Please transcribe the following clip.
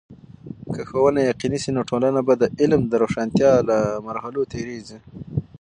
که ښوونه یقيني سي، نو ټولنه به د علم د روښانتیا له مرحلو تیریږي.